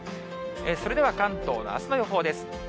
それでは関東のあすの予報です。